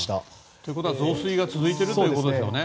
ということは増水が続いているということですね。